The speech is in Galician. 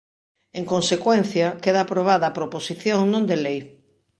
En consecuencia, queda aprobada a proposición non de lei.